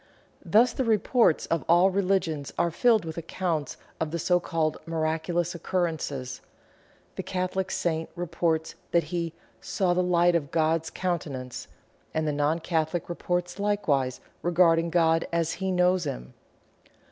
Thus the reports of all religions are filled with accounts of the so called miraculous occurrences. The Catholic saint reports that he "saw of light of God's countenance," and the non Catholic reports likewise regarding God as he knows him.